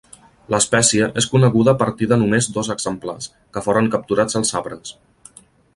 L'espècie és coneguda a partir de només dos exemplars, que foren capturats als arbres.